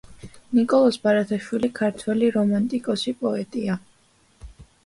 ნიკოლოზ ბარათაშვილი ქართველი რომანტიკოსი პოეტია.